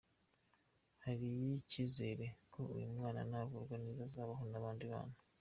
Hari icyizere ko uyu mwana navurwa neza azabaho nk’abandi bana.